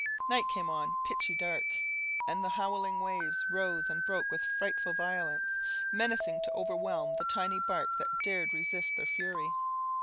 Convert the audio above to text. Night came on pitchy dark, and the howling waves rose and broke with frightful violence, menacing to overwhelm the tiny bark that dared resist their fury.